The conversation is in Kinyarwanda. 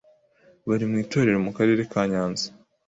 bari mu itorero mu Karere ka Nyanza